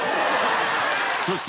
そして！